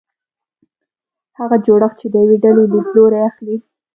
هغه جوړښت چې د یوې ډلې لیدلوری اخلي.